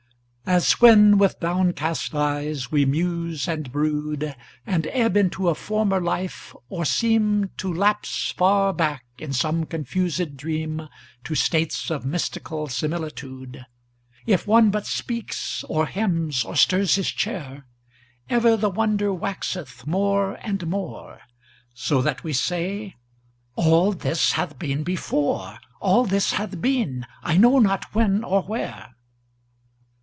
As when with downcast eyes we muse and brood, And ebb into a former life, or seem To lapse far back in some confused dream To states of mystical similitude; If one but speaks or hems or stirs his chair, Ever the wonder waxeth more and more, So that we say, "All this hath been before, All this hath been, I know not when or where".